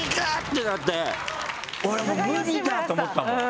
てなって俺もう無理だと思ったもん。